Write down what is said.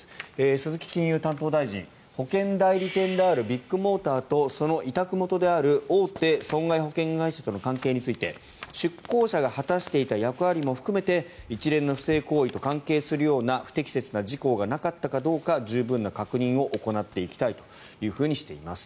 鈴木金融担当大臣保険代理店であるビッグモーターとその委託元である大手損害保険会社との関係について出向者が果たしていた役割も含めて一連の不正行為と関係するような不適切な事項がなかったかどうか十分な確認を行っていきたいとしています。